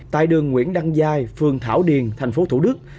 tại đường nguyễn đăng giai phường thảo điền tp thủ đức